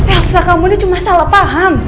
rasa kamu ini cuma salah paham